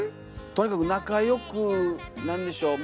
とにかく仲良くなんでしょう